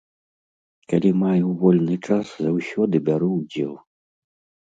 Калі маю вольны час, заўсёды бяру ўдзел.